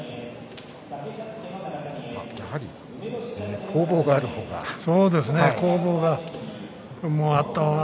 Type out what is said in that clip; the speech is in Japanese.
やはり攻防がある方が。